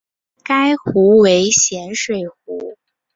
该湖为咸水湖。